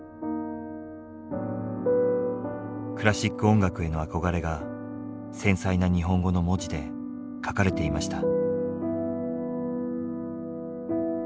クラシック音楽への憧れが繊細な日本語の文字で書かれていました。